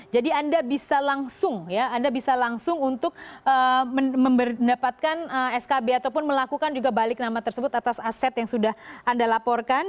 jadi anda bisa langsung ya anda bisa langsung untuk mendapatkan skb ataupun melakukan juga balik nama tersebut atas aset yang sudah anda laporkan